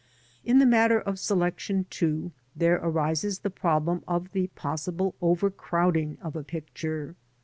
In the matter of selection, too, there arises the problem of the possible overcrowding of a picture.